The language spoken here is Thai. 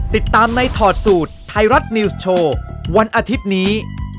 ติดตามในถอดสูตรไทยรัฐนิวส์โชว์วันอาทิตย์นี้